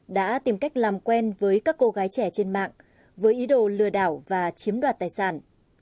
đã tìm cách làm quen với các cô gái trẻ trên mạng với ý đồ lừa đảo và chiếm đoạt tài sản